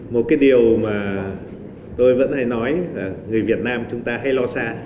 một cái điều mà tôi vẫn hay nói là người việt nam chúng ta hay lo xa